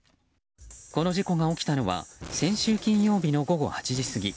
この事故が起きたのは先週金曜日の午後８時過ぎ。